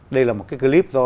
đây là một clip do